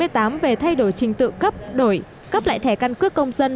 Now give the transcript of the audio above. về thay đổi trình tự cấp đổi cấp lại thẻ căn cước công dân